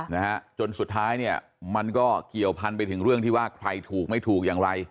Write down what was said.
นะฮะจนสุดท้ายเนี่ยมันก็เกี่ยวพันไปถึงเรื่องที่ว่าใครถูกไม่ถูกอย่างไร